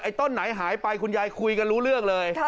ต้นไหนหายไปคุณยายคุยกันรู้เรื่องเลย